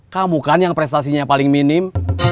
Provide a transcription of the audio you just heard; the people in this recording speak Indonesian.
kamu kan yang prestasinya paling minim